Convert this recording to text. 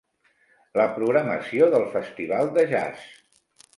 La programació del festival de jazz.